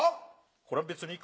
これは別にいいか。